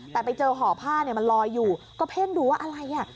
แต่ไปเจอห่อผ้าเนี่ยมันลอยอยู่ก็เพ่งดูว่าอะไรอ่ะ